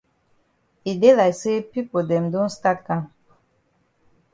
E dey like say pipo dem don stat kam.